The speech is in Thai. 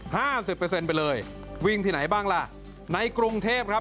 ห้าสิบเปอร์เซ็นต์ไปเลยวิ่งที่ไหนบ้างล่ะในกรุงเทพครับ